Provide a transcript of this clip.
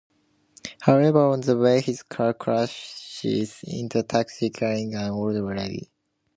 However, on the way his car crashes into a taxi carrying an old lady.